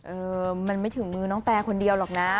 เออมันไม่ถึงมือน้องแตคนเดียวหรอกนะ